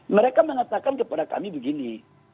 mereka mengatakan kepada kami begini